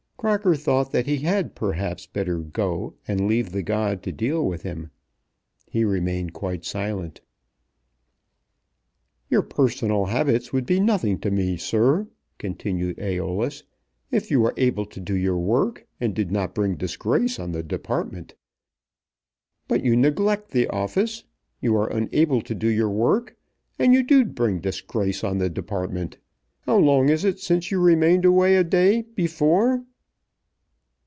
Crocker thought that he had perhaps better go and leave the god to deal with him. He remained quite silent. "Your personal habits would be nothing to me, sir," continued Æolus, "if you were able to do your work and did not bring disgrace on the department. But you neglect the office. You are unable to do your work. And you do bring disgrace on the department. How long is it since you remained away a day before?"